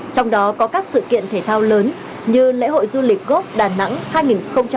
trong đó có các sự kiện thể thao lớn như lễ hội du lịch gốc đà nẵng hai nghìn hai mươi hai